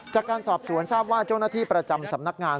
จากการสอบสวนทราบว่าเจ้าหน้าที่ประจำสำนักงาน